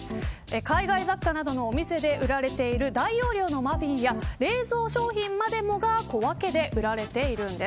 海外雑貨などのお店で売られている大容量のマフィンや冷蔵商品までもが小分けで売られているんです。